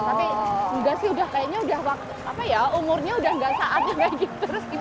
tapi enggak sih udah kayaknya udah umurnya udah gak saatnya kayak gitu